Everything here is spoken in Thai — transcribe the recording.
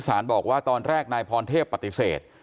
บอกว่าตอนแรกนายพรเทพปฏิเสธ